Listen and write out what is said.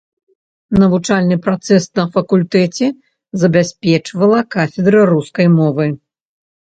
Навучальны працэс на факультэце забяспечвала кафедра рускай мовы.